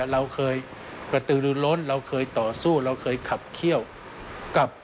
เราเคยกระตืนนุรนตร์เราเคยต่อสู้เราเคยถัดเขี้ยวกับ